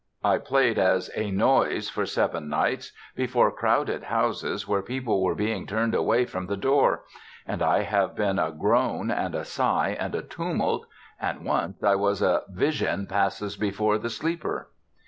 I played as A Noise for seven nights, before crowded houses where people were being turned away from the door; and I have been a Groan and a Sigh and a Tumult, and once I was a "Vision Passes Before the Sleeper."